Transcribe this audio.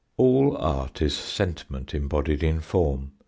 All art is sentiment embodied in form.